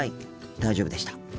大丈夫でした。